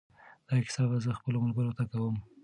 دا کیسه به زه خپلو ملګرو ته کوم.